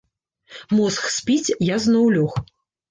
Мозг спіць, я зноў лёг.